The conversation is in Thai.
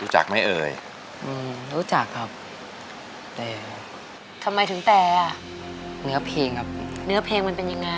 ช่วยที่ไหน